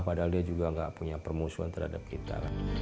padahal dia juga nggak punya permusuhan terhadap kita